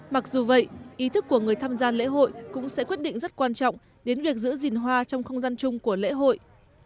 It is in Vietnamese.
mặc dù vậy ý thức của người tham gia lễ hội cũng sẽ quyết định rất quan trọng đến việc giữ gìn hoa trong không gian chung của lễ hội